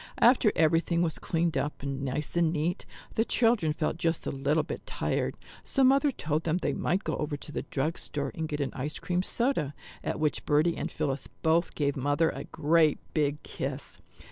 After everything was cleaned up nice and neat, the children felt just a little bit tired, so Mother told them they might go over to the drug store and get an ice cream soda, at which Bertie and Phillis both gave Mother a great big kiss.